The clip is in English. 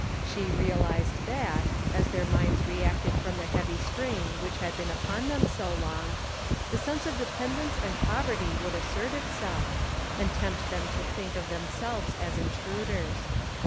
She realized that, as their minds re acted from the heavy strain which had been upon them so long, the sense of dependence and poverty would assert itself, and tempt them to think of themselves as intruders.